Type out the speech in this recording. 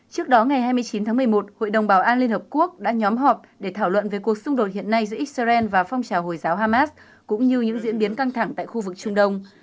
trước đó ngày hai mươi chín tháng một mươi một hội đồng bảo an liên hợp quốc đã nhóm họp để thảo luận về cuộc xung đột hiện nay giữa israel và phong trào hồi giáo hamas cũng như những diễn biến căng thẳng tại khu vực trung đông